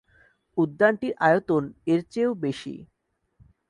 উদ্যানটির আয়তন -এর চেয়েও বেশি।